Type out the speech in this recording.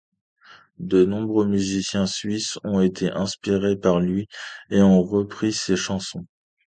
De nombreux musiciens suisses ont été inspirés par lui et ont repris ses chansons.